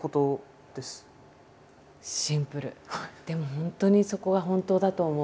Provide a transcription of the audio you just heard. でも本当にそこは本当だと思う。